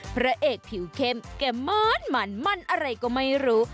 พระเอกผิวเข้มแก่มันมันอะไรก็ไม่รู้